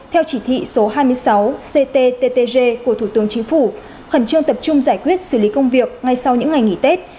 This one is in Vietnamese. theo chỉ thị số hai mươi sáu cttg của thủ tướng chính phủ khẩn trương tập trung giải quyết xử lý công việc ngay sau những ngày nghỉ tết